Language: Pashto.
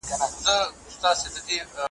داسي تېر سو لکه خوب وي چا لېدلی ,